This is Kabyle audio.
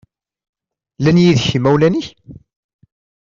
Llan yid-k yimawlan-ik?